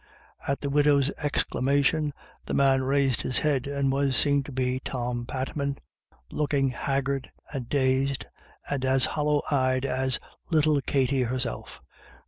At the widow's exclamation the man raised his head, and was seen to be Tom Patman, looking haggard and dazed, and as hollow eyed as little Katty herself.